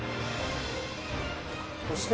そして。